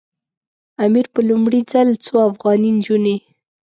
امیر په لومړي ځل څو افغاني نجونې.